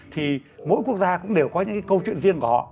thì mỗi quốc gia cũng đều có những cái câu chuyện riêng của họ